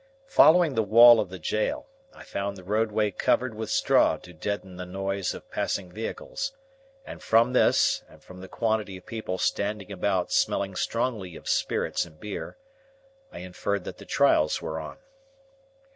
Following the wall of the jail, I found the roadway covered with straw to deaden the noise of passing vehicles; and from this, and from the quantity of people standing about smelling strongly of spirits and beer, I inferred that the trials were on.